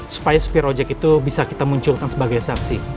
supaya supir ojek itu bisa kita munculkan sebagai saksi